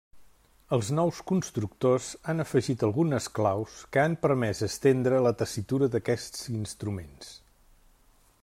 Els nous constructors han afegit algunes claus que han permès estendre la tessitura d'aquests instruments.